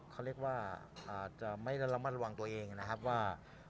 เขาเรียกว่าอาจจะไม่ได้ระมัดระวังตัวเองนะครับว่า